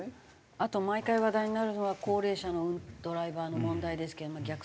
あと毎回話題になるのは高齢者のドライバーの問題ですけれども逆走も含めて。